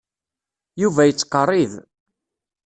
Yuba yettqerrib.